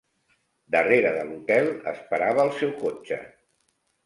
Darrere de l'hotel esperava el seu cotxe.